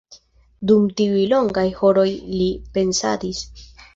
Dum tiuj longaj horoj li pensadis.